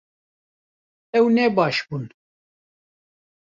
Ew ne baş bûn